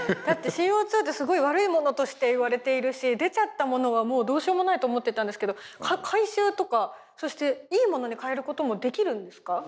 だってＣＯってすごい悪いものとして言われているし出ちゃったものはもうどうしようもないと思ってたんですけど回収とかそしていいものに変えることもできるんですか？